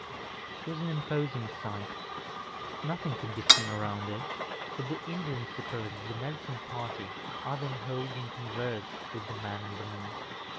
It was an imposing sight. Nothing could be seen around it; but the Indians suppose that the medicine party are then holding converse with the man in the moon....